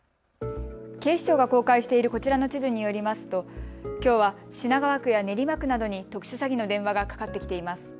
警視庁が公開しているこちらの地図によりますときょうは品川区や練馬区などに特殊詐欺の電話がかかってきています。